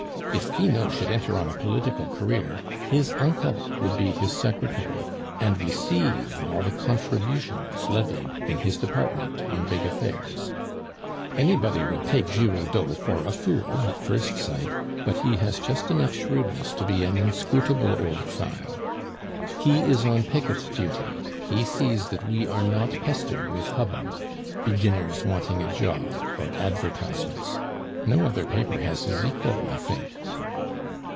If Finot should enter on a political career, his uncle would be his secretary, and receive all the contributions levied in his department on big affairs. Anybody would take Giroudeau for a fool at first sight, but he has just enough shrewdness to be an inscrutable old file. He is on picket duty; he sees that we are not pestered with hubbub, beginners wanting a job, or advertisements. No other paper has his equal, I think."